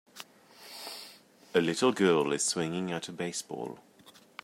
A little girl is swinging at a baseball.